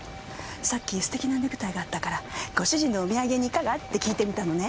さっき素敵なネクタイがあったから「ご主人のお土産にいかが？」って訊いてみたのね。